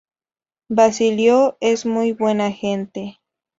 Basilio es muy buena gente.